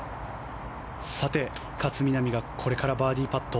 勝みなみがこれからバーディーパット。